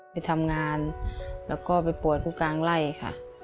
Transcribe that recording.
ไปทำงานแล้วก็ไปปวดผู้กลางไล่ค่ะ